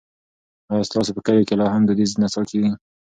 ایا ستاسو په کلي کې لا هم دودیزه نڅا کیږي؟